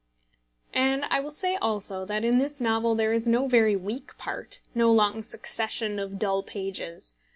And I will say also that in this novel there is no very weak part, no long succession of dull pages.